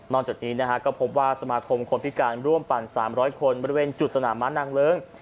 จากนี้นะฮะก็พบว่าสมาคมคนพิการร่วมปั่น๓๐๐คนบริเวณจุดสนามม้านางเลิ้ง